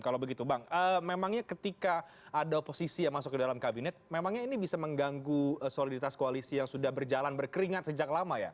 kalau begitu bang memangnya ketika ada oposisi yang masuk ke dalam kabinet memangnya ini bisa mengganggu soliditas koalisi yang sudah berjalan berkeringat sejak lama ya